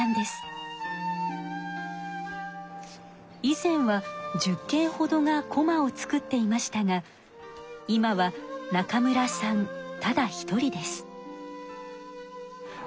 以前は１０けんほどがこまを作っていましたが今は中村さんただ一人です。